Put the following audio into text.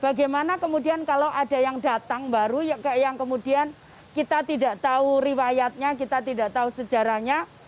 bagaimana kemudian kalau ada yang datang baru yang kemudian kita tidak tahu riwayatnya kita tidak tahu sejarahnya